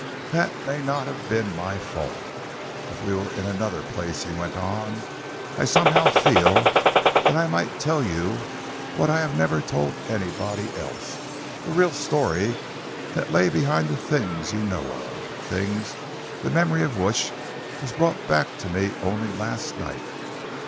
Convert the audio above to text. That may not have been my fault. If we were in another place," he went on, "I somehow feel that I might tell you what I have never told anybody else the real story that lay behind the things you know of, things the memory of which was brought back to me only last night.